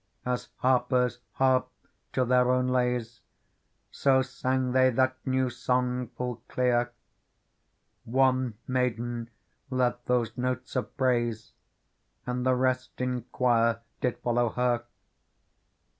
As harpers harp to their own lays. So sang they that new song full clear : One maiden led those notes of praise. And the rest in choir did follow her.